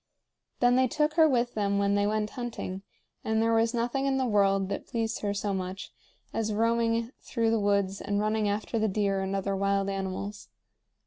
Then they took her with them when they went hunting, and there was nothing in the world that pleased her so much as roaming through the woods and running after the deer and other wild animals.